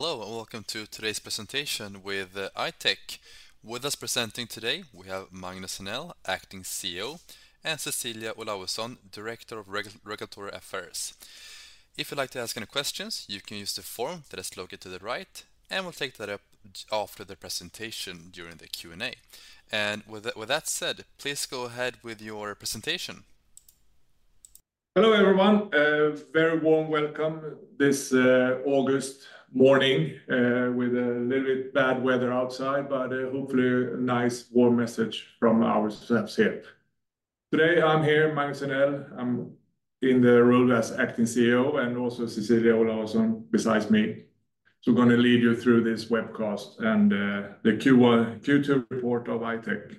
Hello, and welcome to today's presentation with I-Tech. With us presenting today, we have Magnus Sanell, Acting CEO, and Cecilia Ohlauson, Director of Regulatory Affairs. If you'd like to ask any questions, you can use the form that is located to the right, and we'll take that up after the presentation during the Q&A. And with that said, please go ahead with your presentation. Hello, everyone. Very warm welcome this August morning with a little bit bad weather outside, but hopefully a nice, warm message from ourselves here. Today, I'm here, Magnus Sanell. I'm in the role as Acting CEO and also Cecilia Ohlauson besides me. So we're gonna lead you through this webcast and the Q1 Q2 report of I-Tech.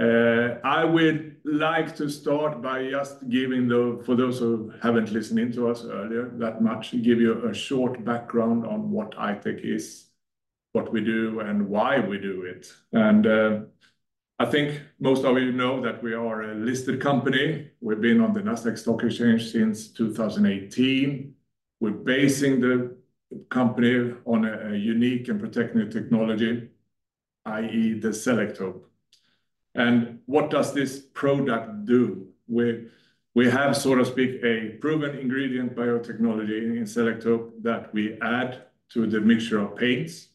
I would like to start by just giving for those who haven't listened in to us earlier, that much, give you a short background on what I-Tech is, what we do, and why we do it. And I think most of you know that we are a listed company. We've been on the Nasdaq Stock Exchange since 2018. We're basing the company on a unique and protecting new technology, i.e., the Selektope. And what does this product do? We have, so to speak, a proven ingredient, biotechnology in Selektope, that we add to the mixture of paints,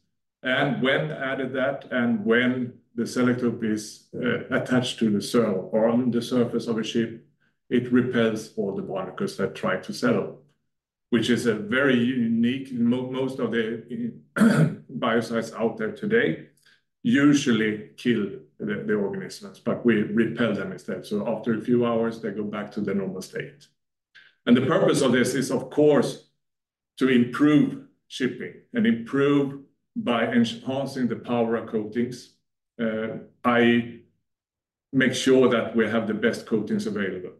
and when added that, and when the Selektope is attached to the hull or on the surface of a ship, it repels all the barnacles that try to settle, which is a very unique. Most of the biocides out there today usually kill the organisms, but we repel them instead. So after a few hours, they go back to their normal state. The purpose of this is, of course, to improve shipping and improve by enhancing the power of coatings, i.e., make sure that we have the best coatings available.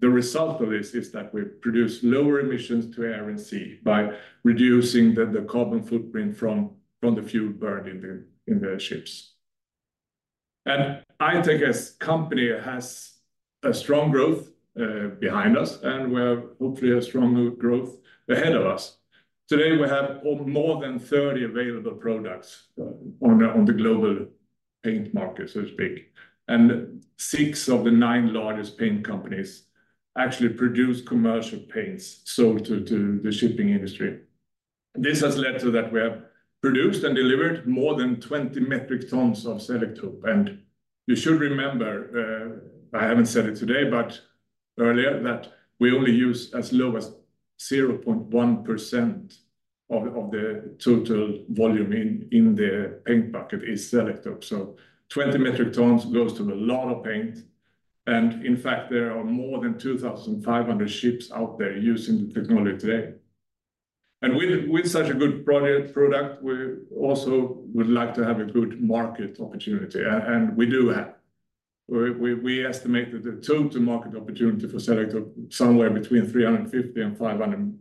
The result of this is that we produce lower emissions to air and sea by reducing the carbon footprint from the fuel burned in the ships. I-Tech as a company has a strong growth behind us, and we have, hopefully, a strong growth ahead of us. Today, we have more than 30 available products on the global paint market, so to speak, and six of the nine largest paint companies actually produce commercial paints sold to the shipping industry. This has led to that we have produced and delivered more than 20 metric tons of Selektope. You should remember, I haven't said it today, but earlier, that we only use as low as 0.1% of the total volume in the paint bucket is Selektope. 20 metric tons goes to a lot of paint, and in fact, there are more than 2,500 ships out there using the technology today. And with such a good product, we also would like to have a good market opportunity, and we do have. We estimate that the total market opportunity for Selektope somewhere between $350 million and $500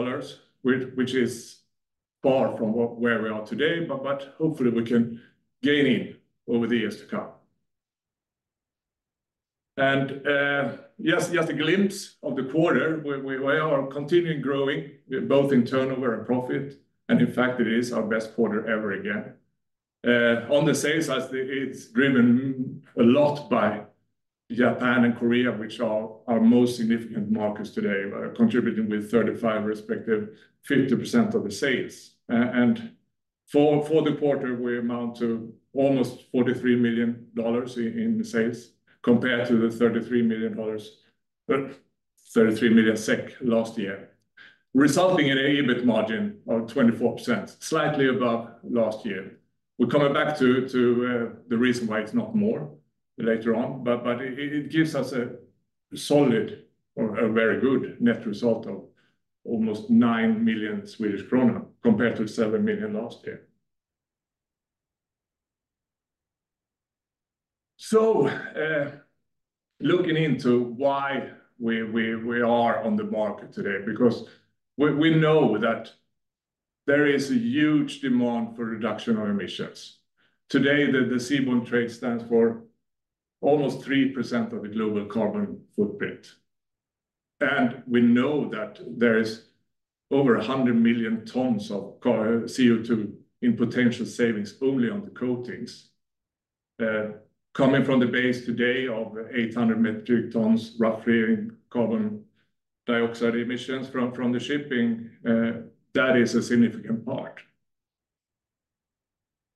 million, which is far from where we are today, but hopefully we can gain in over the years to come. And just a glimpse of the quarter, we are continuing growing, both in turnover and profit, and in fact, it is our best quarter ever again. On the sales side, it's driven a lot by Japan and Korea, which are our most significant markets today, contributing with 35%, respectively 50% of the sales. And for the quarter, we amount to almost $43 million in sales, compared to the $33 million, 33 million SEK last year, resulting in a EBIT margin of 24%, slightly above last year. We're coming back to the reason why it's not more later on, but it gives us a solid or a very good net result of almost 9 million Swedish krona, compared to 7 million last year. Looking into why we are on the market today, because we know that there is a huge demand for reduction of emissions. Today, the seaborne trade stands for almost 3% of the global carbon footprint, and we know that there is over 100 million tons of CO2 in potential savings only on the coatings. Coming from the base today of 800 metric tons, roughly, in carbon dioxide emissions from the shipping, that is a significant part,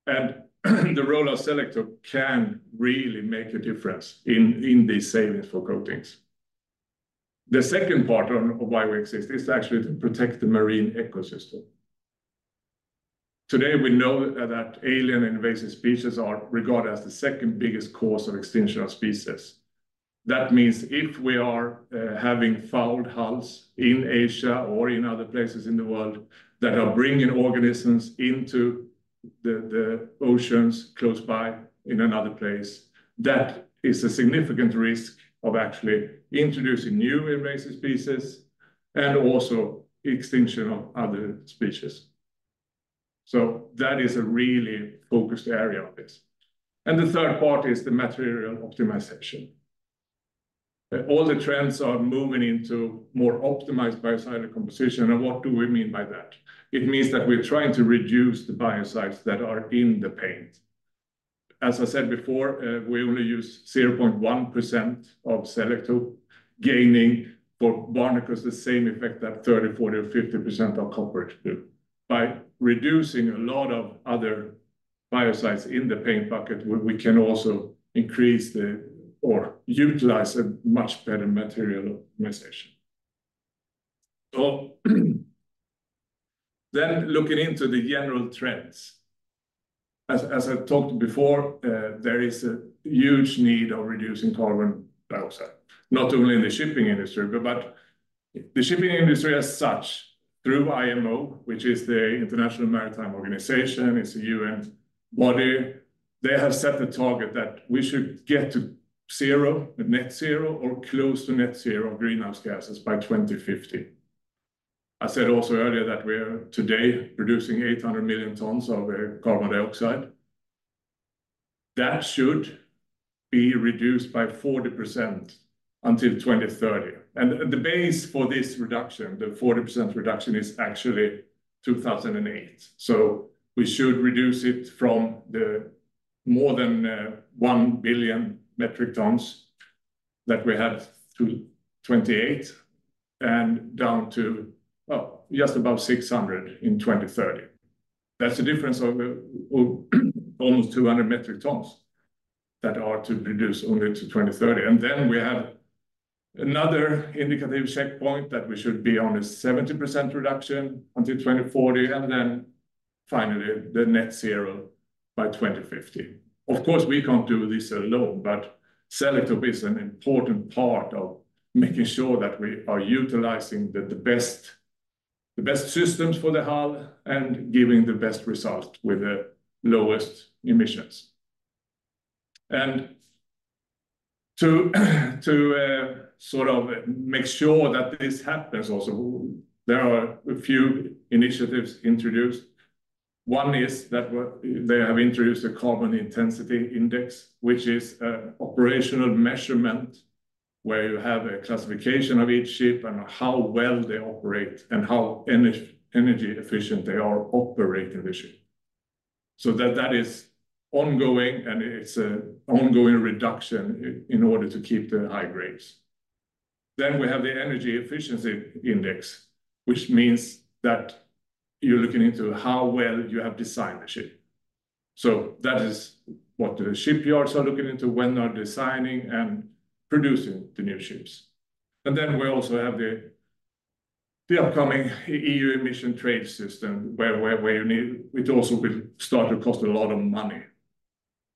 and the role of Selektope can really make a difference in these savings for coatings. The second part of why we exist is actually to protect the marine ecosystem. Today, we know that alien invasive species are regarded as the second biggest cause of extinction of species. That means if we are having fouled hulls in Asia or in other places in the world that are bringing organisms into the oceans close by in another place, that is a significant risk of actually introducing new invasive species and also extinction of other species, so that is a really focused area of this. And the third part is the material optimization. All the trends are moving into more optimized biocide composition. What do we mean by that? It means that we're trying to reduce the biocides that are in the paint. As I said before, we only use 0.1% of Selektope, gaining for barnacles the same effect that 30, 40, or 50% of copper do. By reducing a lot of other biocides in the paint bucket, we can also increase the, or utilize a much better material optimization. Then looking into the general trends, as I've talked before, there is a huge need of reducing carbon dioxide, not only in the shipping industry, but the shipping industry as such, through IMO, which is the International Maritime Organization. It's a UN body. They have set the target that we should get to zero, net zero or close to net zero of greenhouse gases by 2050. I said also earlier that we are today producing 800 million tons of carbon dioxide. That should be reduced by 40% until 2030. And the base for this reduction, the 40% reduction, is actually 2008. So we should reduce it from the more than 1 billion metric tons that we have through 2028 and down to, well, just above 600 in 2030. That's a difference of almost 200 metric tons that are to reduce only to 2030. And then we have another indicative checkpoint that we should be on a 70% reduction until 2040, and then finally, the net zero by 2050. Of course, we can't do this alone, but Selektope is an important part of making sure that we are utilizing the best systems for the hull and giving the best result with the lowest emissions. To sort of make sure that this happens also, there are a few initiatives introduced. One is that they have introduced a Carbon Intensity Index, which is an operational measurement where you have a classification of each ship and how well they operate and how energy efficient they are operating the ship. So that is ongoing, and it's an ongoing reduction in order to keep the high grades. We have the Energy Efficiency Index, which means that you're looking into how well you have designed the ship. So that is what the shipyards are looking into when they are designing and producing the new ships. And then we also have the upcoming EU Emissions Trading system, where you need it also will start to cost a lot of money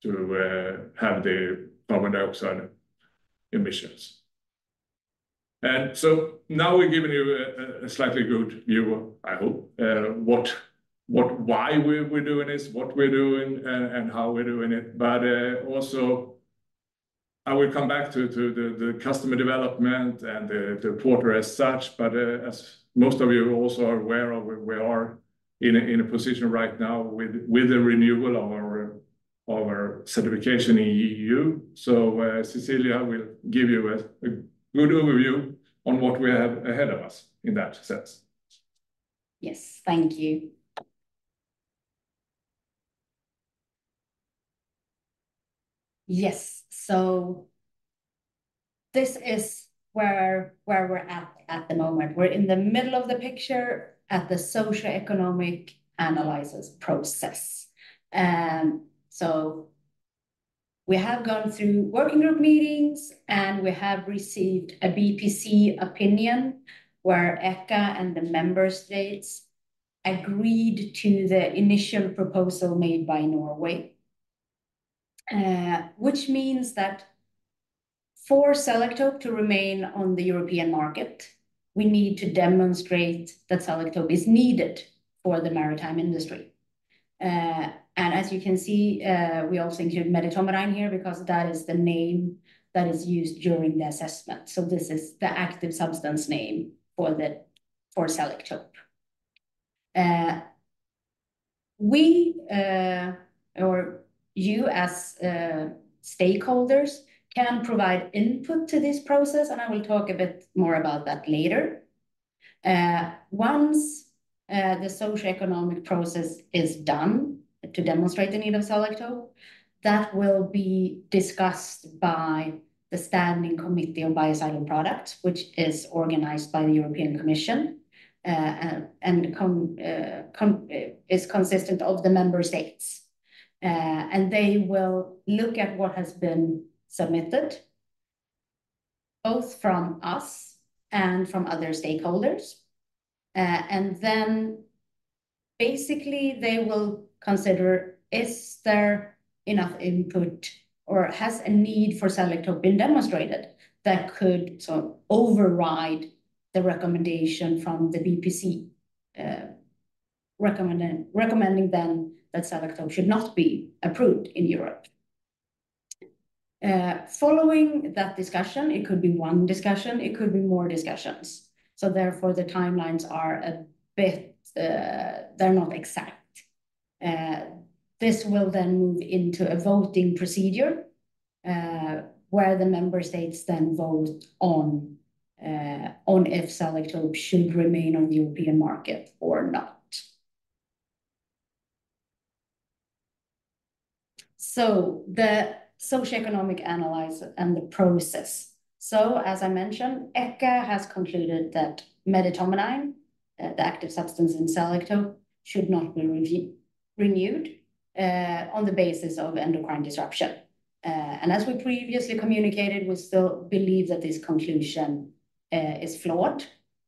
to have the carbon dioxide emissions. And so now we've given you a slightly good view, I hope, what why we're doing this, what we're doing, and how we're doing it. But also, I will come back to the customer development and the portfolio as such. But as most of you also are aware of, we are in a position right now with the renewal of our certification in EU. So Cecilia will give you a good overview on what we have ahead of us in that sense. Yes, thank you. Yes, so this is where we're at the moment. We're in the middle of the picture at the socioeconomic analysis process, so we have gone through working group meetings, and we have received a BPC opinion, where ECHA and the member states agreed to the initial proposal made by Norway. Which means that for Selektope to remain on the European market, we need to demonstrate that Selektope is needed for the maritime industry, and as you can see, we also include medetomidine here because that is the name that is used during the assessment, so this is the active substance name for Selektope. We, or you as stakeholders can provide input to this process, and I will talk a bit more about that later. Once the socioeconomic process is done to demonstrate the need of Selektope, that will be discussed by the Standing Committee on Biocidal Products, which is organized by the European Commission, and is consistent of the member states. And they will look at what has been submitted, both from us and from other stakeholders. And then basically, they will consider, is there enough input, or has a need for Selektope been demonstrated that could sort of override the recommendation from the BPC, recommending then that Selektope should not be approved in Europe? Following that discussion, it could be one discussion, it could be more discussions. So therefore, the timelines are a bit, they're not exact. This will then move into a voting procedure, where the member states then vote on if Selektope should remain on the European market or not. So the socioeconomic analysis and the process. So as I mentioned, ECHA has concluded that medetomidine, the active substance in Selektope, should not be renewed on the basis of endocrine disruption. And as we previously communicated, we still believe that this conclusion is flawed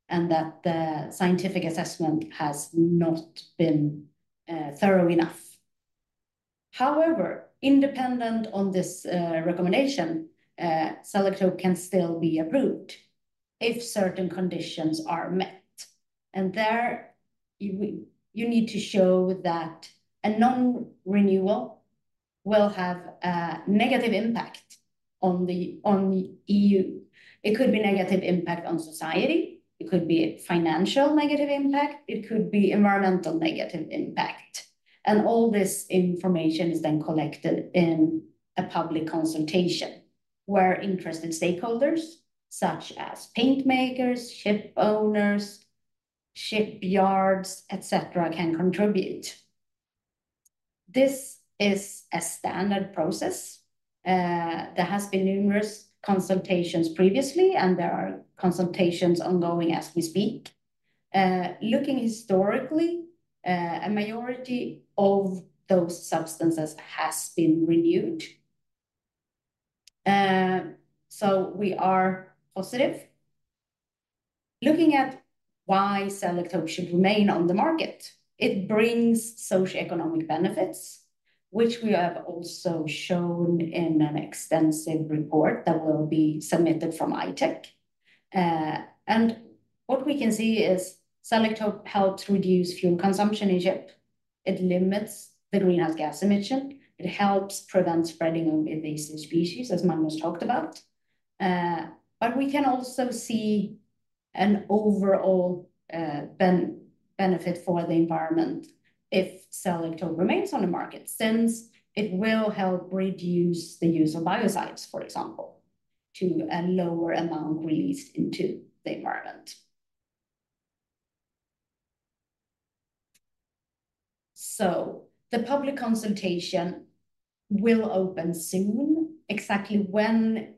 and that the scientific assessment has not been thorough enough. However, independent on this recommendation, Selektope can still be approved if certain conditions are met. And there, you need to show that a non-renewal will have a negative impact on the EU. It could be negative impact on society, it could be financial negative impact, it could be environmental negative impact. And all this information is then collected in a public consultation, where interested stakeholders, such as paint makers, ship owners, shipyards, et cetera, can contribute. This is a standard process. There has been numerous consultations previously, and there are consultations ongoing as we speak. Looking historically, a majority of those substances has been renewed. So we are positive. Looking at why Selektope should remain on the market, it brings socioeconomic benefits, which we have also shown in an extensive report that will be submitted from I-Tech. And what we can see is Selektope helps reduce fuel consumption in ship, it limits the greenhouse gas emission, it helps prevent spreading of invasive species, as Magnus talked about. But we can also see an overall benefit for the environment if Selektope remains on the market, since it will help reduce the use of biocides, for example, to a lower amount released into the environment. So the public consultation will open soon. Exactly when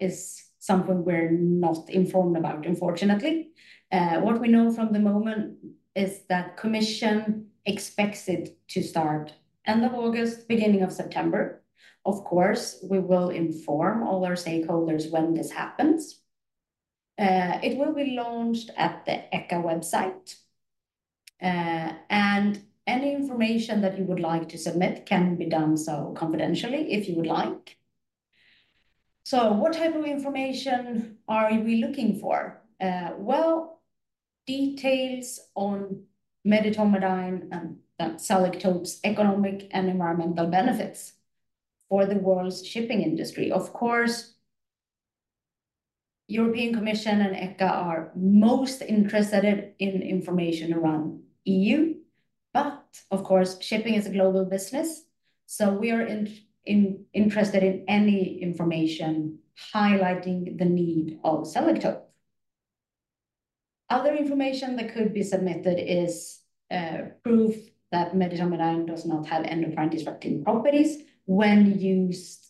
is something we're not informed about, unfortunately. What we know from the moment is that commission expects it to start end of August, beginning of September. Of course, we will inform all our stakeholders when this happens. It will be launched at the ECHA website, and any information that you would like to submit can be done so confidentially, if you would like. So what type of information are we looking for? Well, details on medetomidine and Selektope's economic and environmental benefits for the world's shipping industry. Of course, European Commission and ECHA are most interested in information around EU, but of course, shipping is a global business, so we are interested in any information highlighting the need of Selektope. Other information that could be submitted is proof that medetomidine does not have endocrine-disrupting properties when used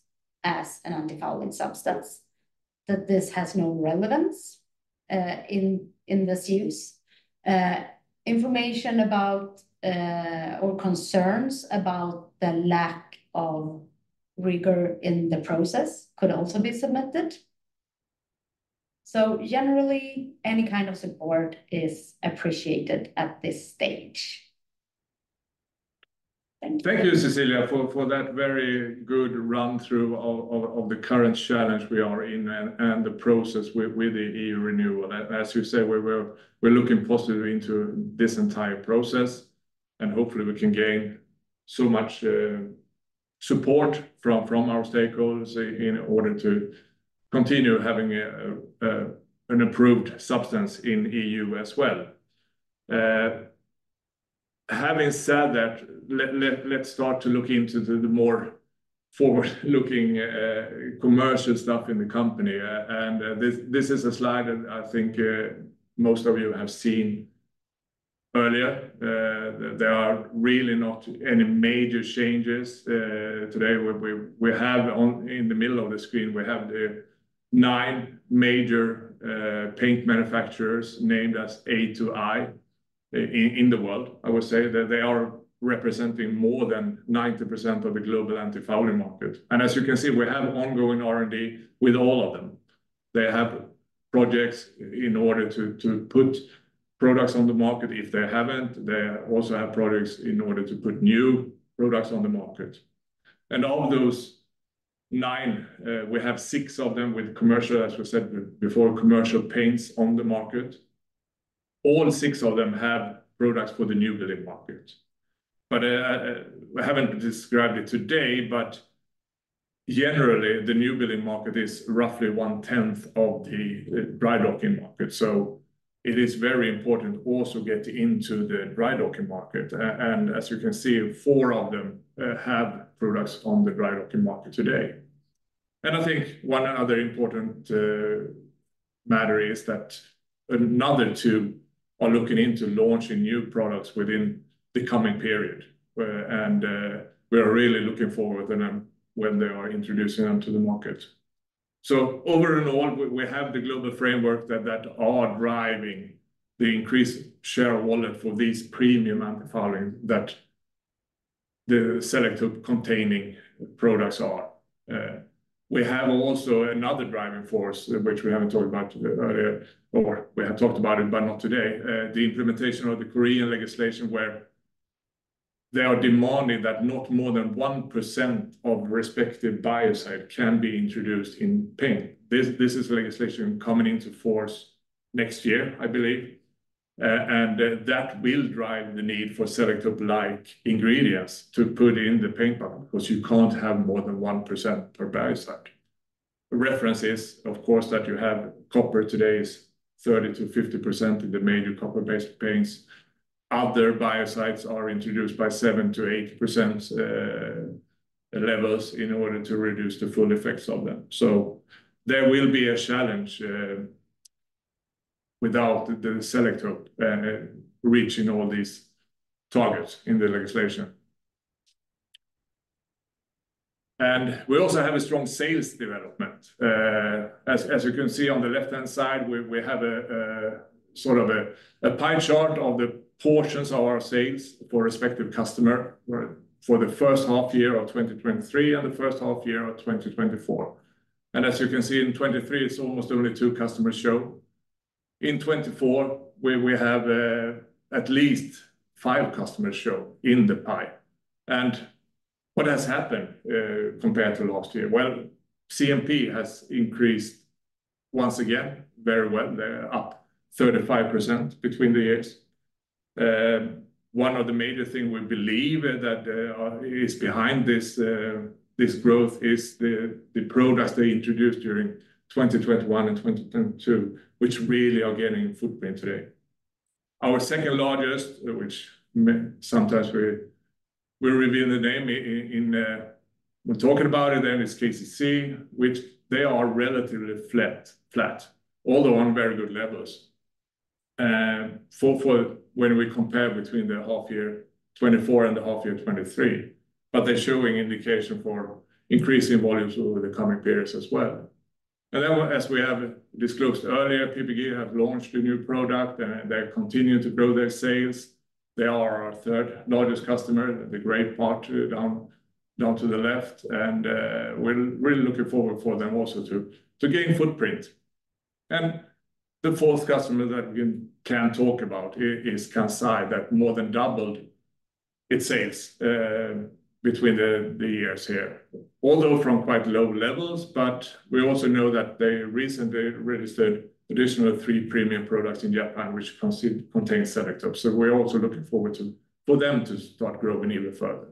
as an antifouling substance. That this has no relevance in this use. Information about or concerns about the lack of rigor in the process could also be submitted. So generally, any kind of support is appreciated at this stage. Thank you. Thank you, Cecilia, for that very good run-through of the current challenge we are in and the process with the EU renewal. As you say, we're looking positively into this entire process, and hopefully, we can gain so much support from our stakeholders in order to continue having an approved substance in EU as well. Having said that, let's start to look into the more forward-looking commercial stuff in the company. And this is a slide that I think most of you have seen earlier. There are really not any major changes. Today, we have in the middle of the screen, we have the nine major paint manufacturers named as A to I in the world. I would say that they are representing more than 90% of the global antifouling market. And as you can see, we have ongoing R&D with all of them. They have projects in order to put products on the market. If they haven't, they also have products in order to put new products on the market. And of those nine, we have six of them with commercial, as we said before, commercial paints on the market. All six of them have products for the new building market. But we haven't described it today. Generally, the new building market is roughly one-tenth of the dry docking market. So it is very important to also get into the dry docking market. And as you can see, four of them have products on the dry docking market today. I think another important matter is that another two are looking into launching new products within the coming period, and we are really looking forward to them when they are introducing them to the market. So overall, we have the global framework that are driving the increased share of wallet for these premium antifouling that the Selektope-containing products are. We have also another driving force, which we haven't talked about earlier, or we have talked about it, but not today. The implementation of the Korean legislation, where they are demanding that not more than 1% of respective biocide can be introduced in paint. This is legislation coming into force next year, I believe, and that will drive the need for Selektope-like ingredients to put in the paint bucket, because you can't have more than 1% per biocide. The reference is, of course, that you have copper today is 30%-50% in the major copper-based paints. Other biocides are introduced by 7%-8% levels in order to reduce the full effects of them. So there will be a challenge without Selektope reaching all these targets in the legislation, and we also have a strong sales development. As you can see on the left-hand side, we have a sort of a pie chart of the portions of our sales for respective customer for the first half year of 2023 and the first half year of 2024. As you can see, in 2023, it's almost only two customers show. In 2024, where we have at least five customers show in the pie. What has happened compared to last year? CMP has increased once again, very well, they're up 35% between the years. One of the major thing we believe that is behind this growth is the products they introduced during 2021 and 2022, which really are getting footprint today. Our second largest, sometimes we reveal the name when we're talking about it, then it's KCC, which they are relatively flat, although on very good levels. Fourth quarter, when we compare between the half year 2024 and the half year 2023, but they're showing indication for increasing volumes over the coming periods as well. And then, as we have disclosed earlier, PPG have launched a new product, and they continue to grow their sales. They are our third largest customer, the gray part down to the left, and we're really looking forward for them also to gain footprint. And the fourth customer that we can talk about here is Kansai, that more than doubled its sales between the years here, although from quite low levels. But we also know that they recently registered additional three premium products in Japan, which contains Selektope. So we're also looking forward to for them to start growing even further.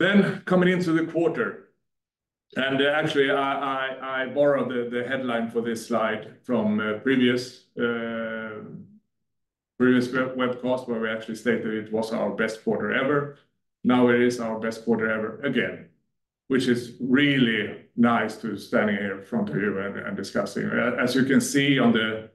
Then, coming into the quarter, and actually, I borrowed the headline for this slide from previous webcast, where we actually stated it was our best quarter ever. Now, it is our best quarter ever again, which is really nice standing here in front of you and discussing. As you can see on the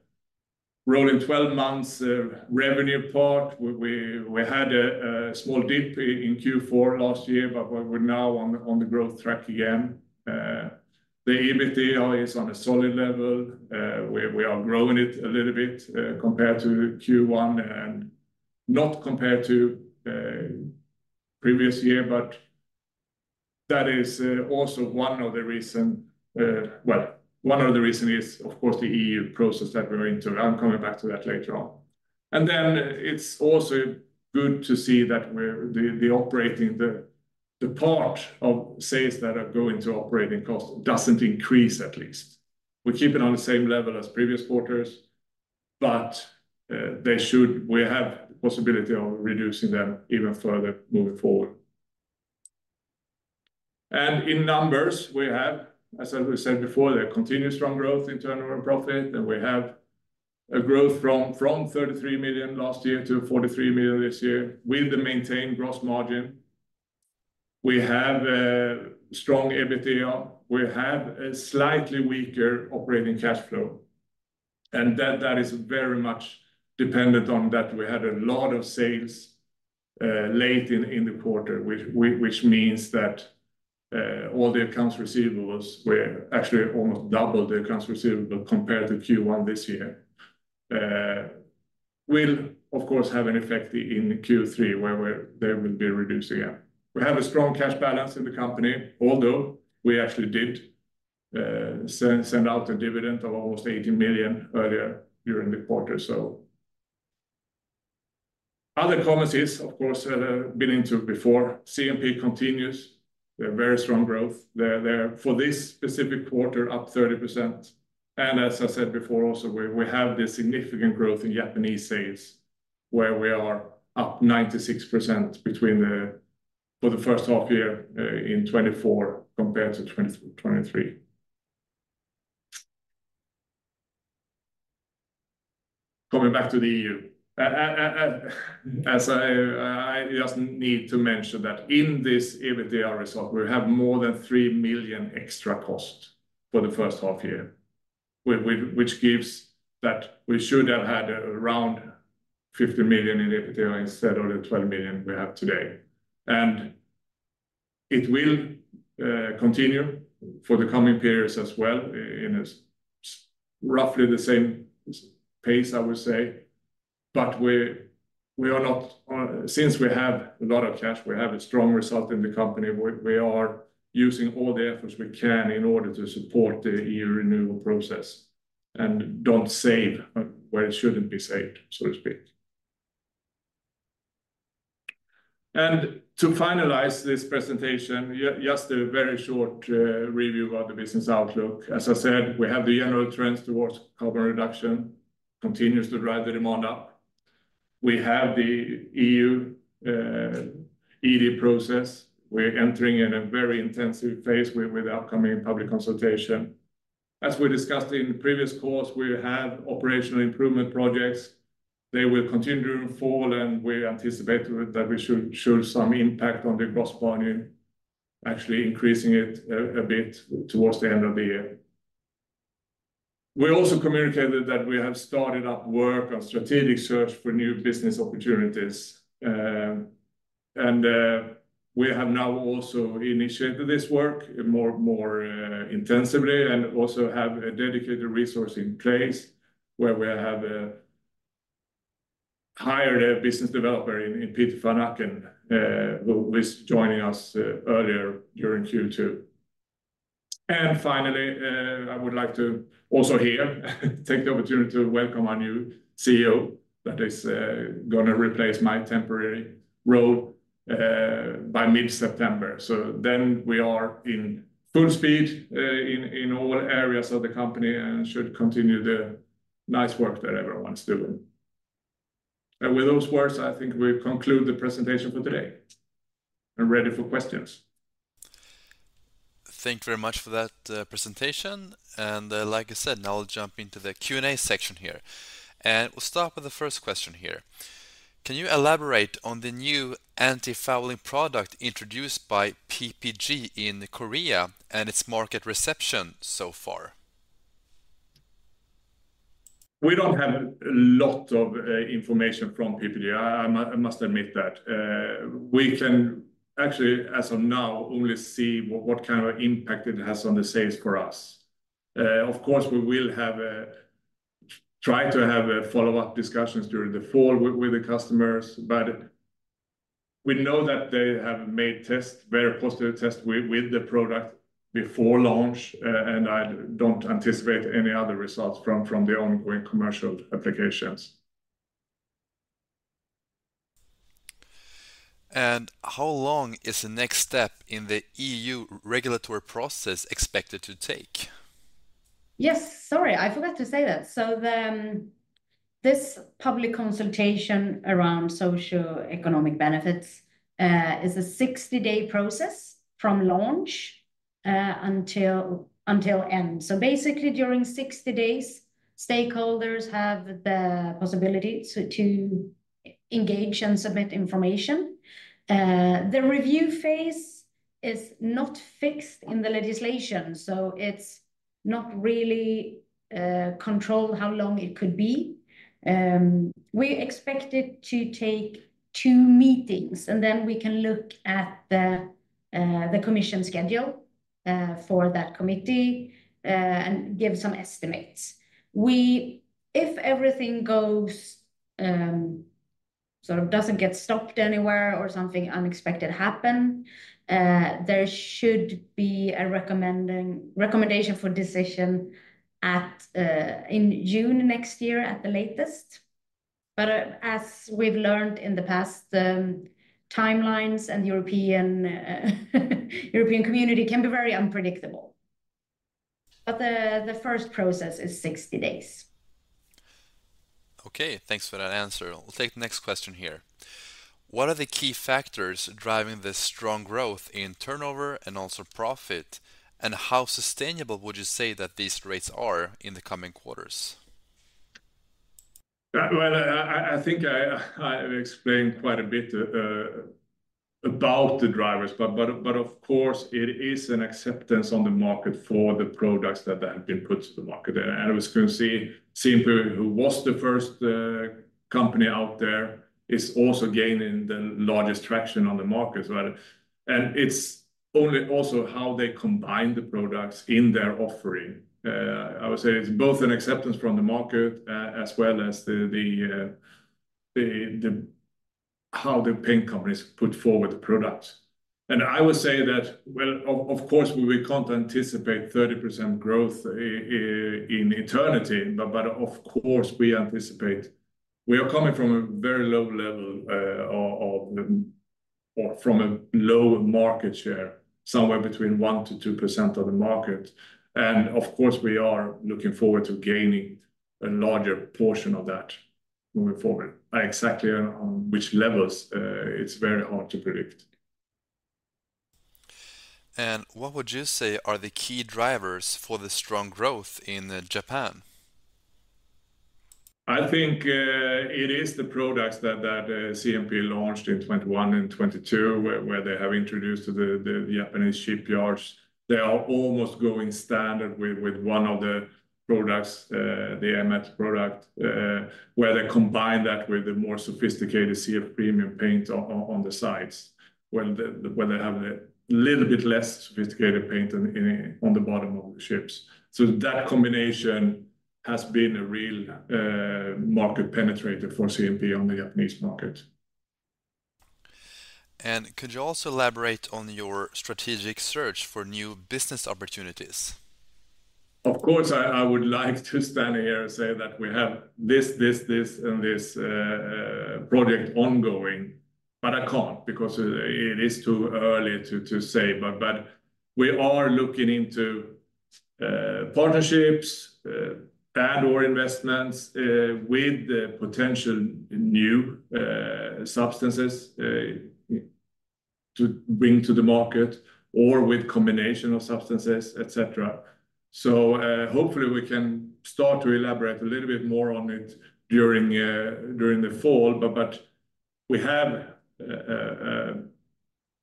rolling 12 months revenue part, we had a small dip in Q4 last year, but we're now on the growth track again. The EBITDA is on a solid level. We are growing it a little bit compared to Q1 and not compared to previous year, but that is also one of the reason, well, one of the reason is, of course, the EU process that we're into. I'm coming back to that later on, and then it's also good to see that the operating part of sales that are going to operating costs doesn't increase, at least. We keep it on the same level as previous quarters, but we have the possibility of reducing them even further moving forward, and in numbers, we have, as I said before, the continued strong growth in turnover and profit, and we have a growth from 33 million last year to 43 million this year with the maintained gross margin. We have a strong EBITDA. We have a slightly weaker operating cash flow, and that is very much dependent on that. We had a lot of sales late in the quarter, which means that all the accounts receivables were actually almost double the accounts receivable compared to Q1 this year. Will, of course, have an effect in Q3, where they will be reduced again. We have a strong cash balance in the company, although we actually did send out a dividend of almost 80 million earlier during the quarter, so. Other comments is, of course, been into before. CMP continues. They're very strong growth. They're for this specific quarter, up 30%. As I said before, also, we have this significant growth in Japanese sales, where we are up 96% for the first half year in 2024 compared to 2023. Coming back to the EU, as I just need to mention that in this EBITDA result, we have more than 3 million extra cost for the first half year, which gives that we should have had around 50 million in EBITDA instead of the 12 million we have today. It will continue for the coming periods as well, in roughly the same pace, I would say. But we are not, since we have a lot of cash, we have a strong result in the company. We are using all the efforts we can in order to support the EU renewal process and don't save where it shouldn't be saved, so to speak. And to finalize this presentation, just a very short review about the business outlook. As I said, we have the general trends towards carbon reduction, continues to drive the demand up. We have the EU ED process. We're entering in a very intensive phase with the upcoming public consultation. As we discussed in the previous course, we have operational improvement projects. They will continue to fall, and we anticipate that we should show some impact on the gross margin, actually increasing it a bit towards the end of the year. We also communicated that we have started up work on strategic search for new business opportunities. And we have now also initiated this work more intensively and also have a dedicated resource in place where we have hired a business developer in Peter Van Acker, who is joining us earlier during Q2. And finally, I would like to also here take the opportunity to welcome our new CEO that is gonna replace my temporary role by mid-September. So then we are in full speed in all areas of the company and should continue the nice work that everyone's doing. And with those words, I think we conclude the presentation for today and ready for questions. Thank you very much for that, presentation. And, like I said, now I'll jump into the Q&A section here. And we'll start with the first question here: Can you elaborate on the new antifouling product introduced by PPG in Korea and its market reception so far? We don't have a lot of information from PPG. I must admit that. We can actually, as of now, only see what kind of impact it has on the sales for us. Of course, we will try to have follow-up discussions during the fall with the customers, but we know that they have made tests, very positive tests with the product before launch, and I don't anticipate any other results from the ongoing commercial applications. How long is the next step in the EU regulatory process expected to take? Yes, sorry, I forgot to say that. So then, this public consultation around socioeconomic benefits is a 60-day process from launch until end. So basically, during 60 days, stakeholders have the possibility to engage and submit information. The review phase is not fixed in the legislation, so it's not really controlled how long it could be. We expect it to take two meetings, and then we can look at the commission schedule for that committee and give some estimates. If everything goes sort of doesn't get stopped anywhere or something unexpected happen, there should be a recommendation for decision in June next year at the latest. But as we've learned in the past, timelines and European Commission can be very unpredictable. But the first process is 60 days. Okay, thanks for that answer. We'll take the next question here. What are the key factors driving this strong growth in turnover and also profit, and how sustainable would you say that these rates are in the coming quarters? I think I explained quite a bit about the drivers, but of course, it is an acceptance on the market for the products that have been put to the market. And as you can see, CMP, who was the first company out there, is also gaining the largest traction on the market. And it's only also how they combine the products in their offering. I would say it's both an acceptance from the market, as well as the how the paint companies put forward the products. And I would say that, of course, we can't anticipate 30% growth in eternity, but of course, we anticipate. We are coming from a very low level, or from a low market share, somewhere between 1% to 2% of the market. And of course, we are looking forward to gaining a larger portion of that moving forward. But exactly on which levels, it's very hard to predict. What would you say are the key drivers for the strong growth in Japan? I think it is the products that CMP launched in 2021 and 2022, where they have introduced to the Japanese shipyards. They are almost going standard with one of the products, the M1 product, where they combine that with the more sophisticated CF premium paint on the sides, where they have a little bit less sophisticated paint on the bottom of the ships. So that combination has been a real market penetrator for CMP on the Japanese market. Could you also elaborate on your strategic search for new business opportunities? Of course, I would like to stand here and say that we have this, this, this, and this project ongoing, but I can't because it is too early to say. But we are looking into partnerships, R&D or investments with the potential new substances to bring to the market or with combination of substances, et cetera. So hopefully, we can start to elaborate a little bit more on it during the fall. But we have a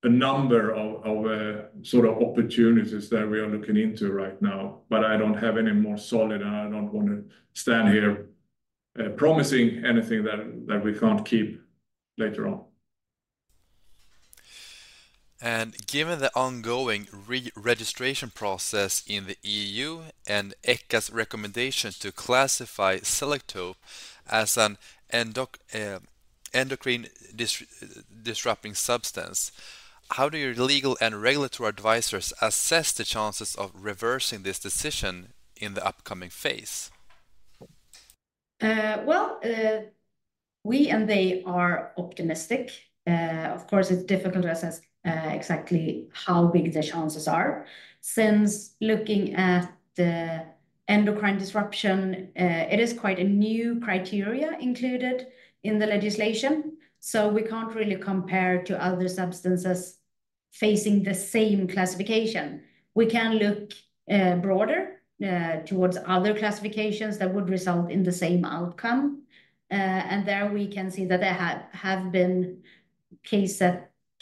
number of sort of opportunities that we are looking into right now, but I don't have any more solid, and I don't want to stand here promising anything that we can't keep later on. Given the ongoing re-registration process in the EU and ECHA's recommendation to classify Selektope as an endocrine disrupting substance, how do your legal and regulatory advisors assess the chances of reversing this decision in the upcoming phase? Well, we and they are optimistic. Of course, it's difficult to assess exactly how big the chances are. Since looking at the endocrine disruption, it is quite a new criteria included in the legislation, so we can't really compare to other substances facing the same classification. We can look broader towards other classifications that would result in the same outcome. And there we can see that there have been cases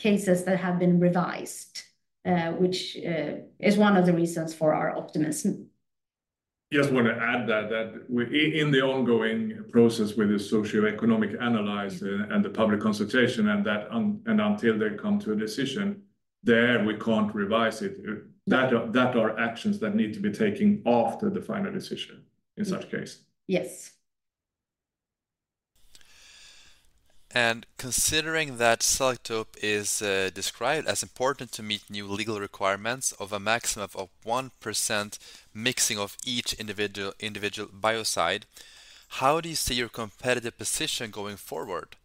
that have been revised, which is one of the reasons for our optimism. Just want to add that in the ongoing process with the socioeconomic analysis and the public consultation and until they come to a decision, then we can't revise it. That there are actions that need to be taken after the final decision in such case. Yes. Considering that Selektope is described as important to meet new legal requirements of a maximum of 1% mixing of each individual biocide, how do you see your competitive position going forward?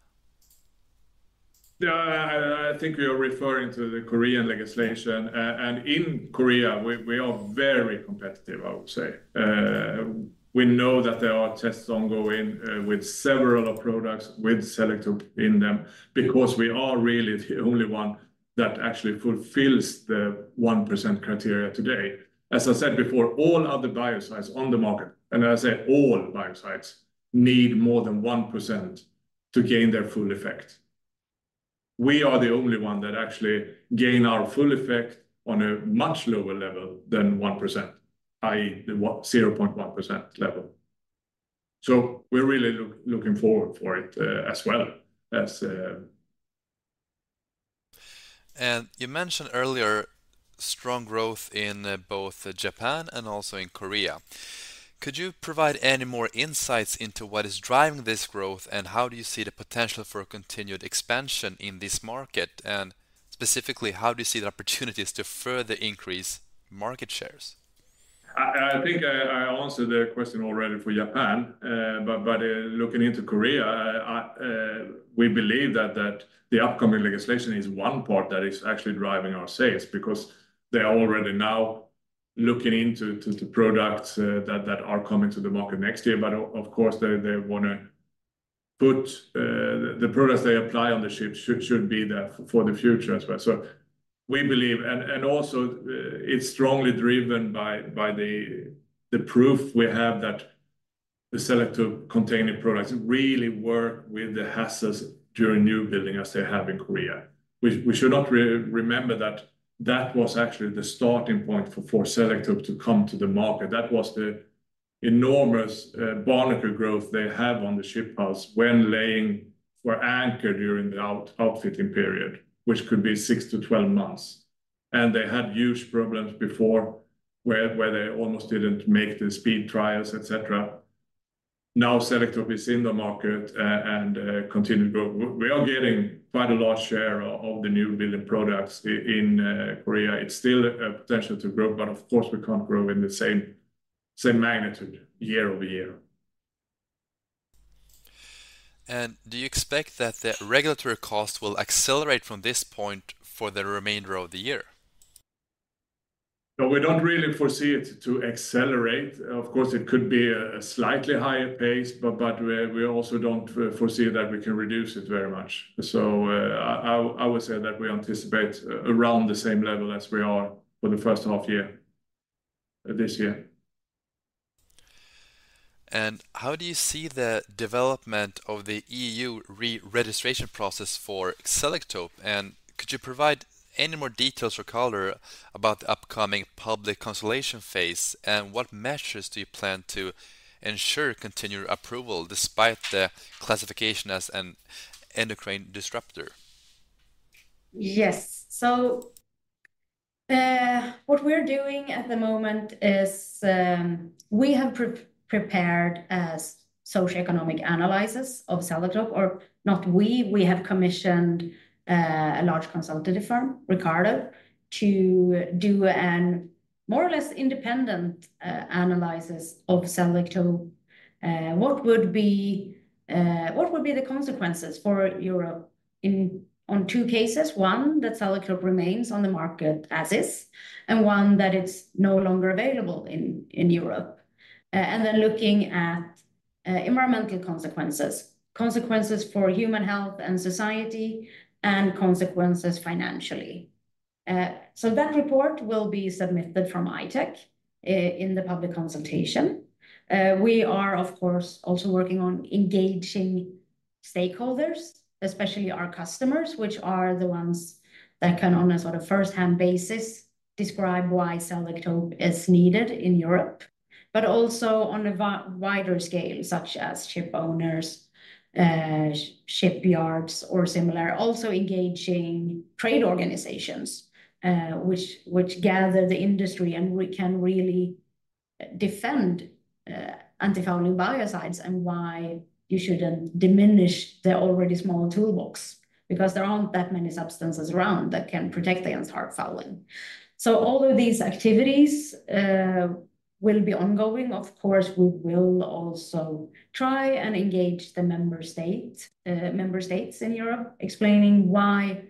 Yeah, I think we are referring to the Korean legislation. And in Korea, we are very competitive, I would say. We know that there are tests ongoing with several products with Selektope in them, because we are really the only one that actually fulfills the 1% criteria today. As I said before, all other biocides on the market, and as I said, all biocides, need more than 1% to gain their full effect. We are the only one that actually gain our full effect on a much lower level than 1%, i.e., the 0.1% level. So we're really looking forward for it, as well as, You mentioned earlier, strong growth in both Japan and also in Korea. Could you provide any more insights into what is driving this growth, and how do you see the potential for a continued expansion in this market? Specifically, how do you see the opportunities to further increase market shares? I think I answered the question already for Japan. But looking into Korea, we believe that the upcoming legislation is one part that is actually driving our sales because they are already now looking into the products that are coming to the market next year. But of course, they want to put the products they apply on the ship should be there for the future as well. So we believe, and also, it's strongly driven by the proof we have that the Selektope containing products really work with the hazards during new building, as they have in Korea. We should not remember that that was actually the starting point for Selektope to come to the market. That was the enormous barnacle growth they have on the ship hulls when lying or anchored during the outfitting period, which could be six to 12 months, and they had huge problems before, where they almost didn't make the speed trials, et cetera. Now, Selektope is in the market, and continued growth. We are getting quite a large share of the new building products in Korea. It's still a potential to grow, but of course, we can't grow in the same magnitude year-over-year. And do you expect that the regulatory cost will accelerate from this point for the remainder of the year? No, we don't really foresee it to accelerate. Of course, it could be a slightly higher pace, but we also don't foresee that we can reduce it very much. So, I would say that we anticipate around the same level as we are for the first half year this year. How do you see the development of the EU re-registration process for Selektope? Could you provide any more details or color about the upcoming public consultation phase? What measures do you plan to ensure continued approval despite the classification as an endocrine disruptor? Yes. So what we're doing at the moment is we have pre-prepared a socioeconomic analysis of Selektope, or not we, we have commissioned a large consultative firm, Ricardo, to do a more or less independent analysis of Selektope. What would be the consequences for Europe in two cases? One, that Selektope remains on the market as is, and one, that it's no longer available in Europe. And then looking at environmental consequences, consequences for human health and society, and consequences financially. So that report will be submitted from I-Tech in the public consultation. We are, of course, also working on engaging stakeholders, especially our customers, which are the ones that can, on a sort of firsthand basis, describe why Selektope is needed in Europe, but also on a wider scale, such as shipowners, shipyards or similar. Also engaging trade organizations, which gather the industry, and we can really defend antifouling biocides and why you shouldn't diminish the already small toolbox, because there aren't that many substances around that can protect against hard fouling, so all of these activities will be ongoing. Of course, we will also try and engage the member state, member states in Europe, explaining why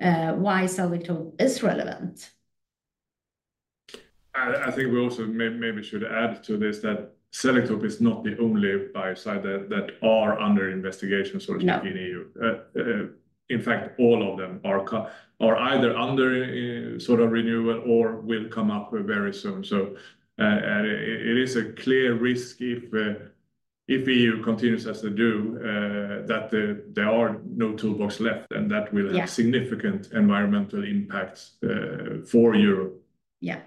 Selektope is relevant. I think we also maybe should add to this, that Selektope is not the only biocide that are under investigation. No Sort of in EU. In fact, all of them are either under a sort of renewal or will come up very soon. And it is a clear risk if EU continues as they do, that there are no toolbox left, and that will have. Yeah. Significant environmental impacts for Europe. Yeah.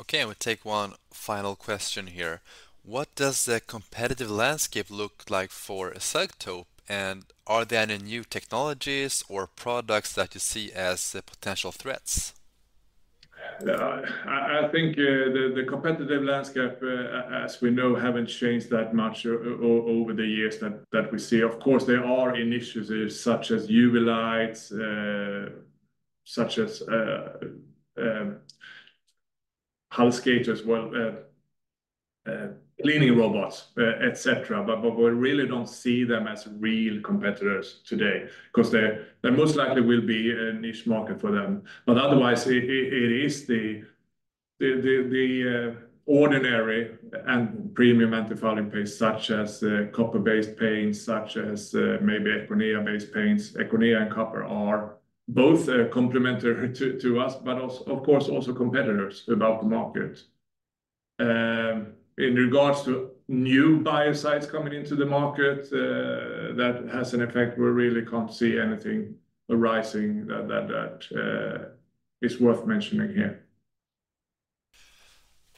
Okay, we take one final question here. What does the competitive landscape look like for Selektope, and are there any new technologies or products that you see as potential threats? I think the competitive landscape as we know hasn't changed that much over the years that we see. Of course, there are initiatives such as UV lights, such as hull skaters, well, cleaning robots, et cetera. But we really don't see them as real competitors today 'cause there most likely will be a niche market for them. But otherwise it is the ordinary and premium antifouling paints, such as copper-based paints, such as maybe Econea-based paints. Econea and copper are both complementary to us, but also, of course, also competitors about the market. In regards to new biocides coming into the market, that has an effect. We really can't see anything arising that is worth mentioning here.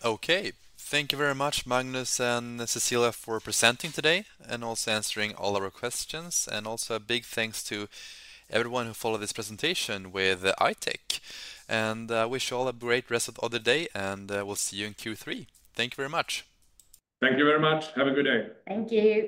Okay. Thank you very much, Magnus and Cecilia, for presenting today and also answering all our questions, and also a big thanks to everyone who followed this presentation with I-Tech, and I wish you all a great rest of the day, and we'll see you in Q3. Thank you very much. Thank you very much. Have a good day. Thank you!